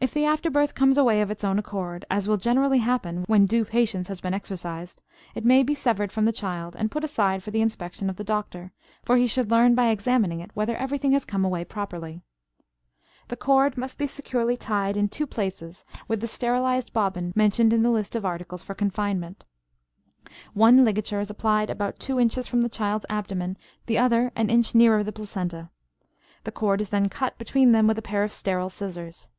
If the after birth comes away of its own accord, as will generally happen when due patience has been exercised, it may be severed from the child and put aside for the inspection of the doctor, for he should learn by examining it whether everything has come away properly. The cord must be securely tied in two places with the sterilized bobbin mentioned in the list of articles for confinement. One ligature is applied about two inches from the child's abdomen, the other an inch nearer the placenta; the cord is then cut between them with a pair of sterile scissors.